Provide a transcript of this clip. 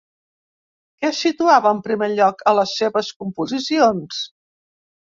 Què situava en primer lloc a les seves composicions?